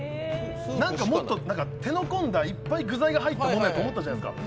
何かもっと手の込んだいっぱい具材の入ったものだと思ったじゃないですか。